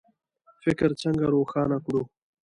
فکر څنګه روښانه کړو؟